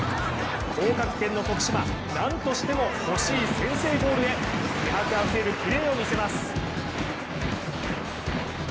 降格圏の徳島、なんとしても欲しい先制ゴールへ、気迫あふれるプレーを見せます。